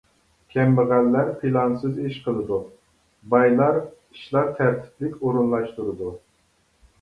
كەمبەغەللەر پىلانسىز ئىش قىلىدۇ، بايلار ئىشلار تەرتىپلىك ئورۇنلاشتۇرىدۇ.